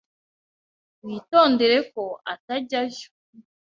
Witondere ko atajyayo.